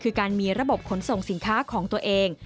คือการมีระบบขนส่งสินค้าของตัวเอง